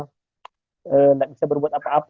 tidak bisa berbuat apa apa